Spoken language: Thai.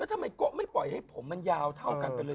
แล้วทำไมก๊อกไม่ปล่อยให้ผมมันยาวเท่ากันไปเลยสิ